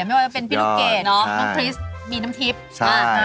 ไม่ว่าจะเป็นพี่ลูโกเกตเนอะม้องกรี๊สมีน้ำทิพย์นะครับน้ำทิพย์